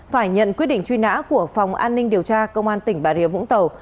phải nhận quyết định truy nã của phòng an ninh điều tra công an tỉnh bà rịa vũng tàu